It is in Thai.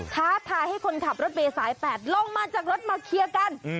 ท้าทายให้คนขับรถเมย์สาย๘ลงมาจากรถมาเคลียร์กัน